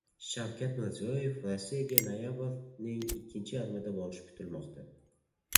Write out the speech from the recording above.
Shavkat Mirziyoyev Rossiyaga noyabrning ikkinchi yarmida borishi kutilmoqda